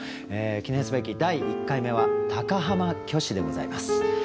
記念すべき第１回目は高浜虚子でございます。